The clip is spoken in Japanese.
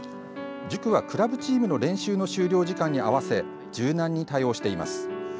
塾はクラブチームの練習の終了時間に合わせ柔軟に対応しています。